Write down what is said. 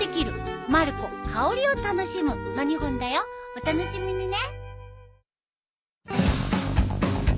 お楽しみにね。